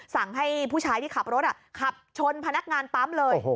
สั่งให้ผู้ชายที่ขับรถขับชนพนักงานปั๊มเลย